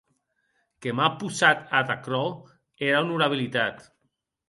Que m’a possat ad aquerò era onorabilitat.